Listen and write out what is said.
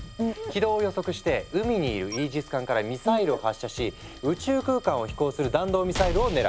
軌道を予測して海にいるイージス艦からミサイルを発射し宇宙空間を飛行する弾道ミサイルを狙う。